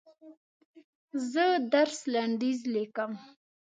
زه د درس لنډیز لیکم.